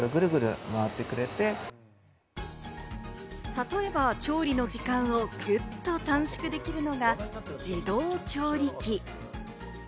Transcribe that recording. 例えば、調理の時間をぎゅっと短縮できるのが自動調理器。